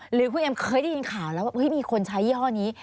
หรือคุณเอ็มเคยได้ยินข่าวแล้วว่ามีคนใช้ยี่ห้อนี้